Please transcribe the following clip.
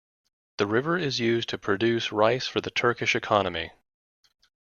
The river is used to produce rice for the Turkish economy.